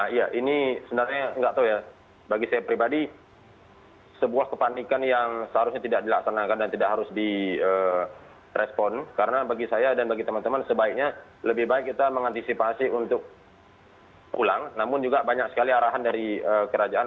iya ini sebenarnya nggak tahu ya bagi saya pribadi sebuah kepanikan yang seharusnya tidak dilaksanakan dan tidak harus di respon karena bagi saya dan bagi teman teman sebaiknya lebih baik kita mengantisipasi untuk pulang namun juga banyak sekali arahan dari kerajaan